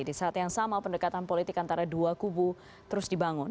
di saat yang sama pendekatan politik antara dua kubu terus dibangun